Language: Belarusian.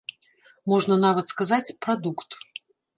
Можна нават сказаць, прадукт.